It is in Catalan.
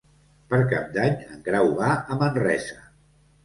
Per Cap d'Any en Grau va a Manresa.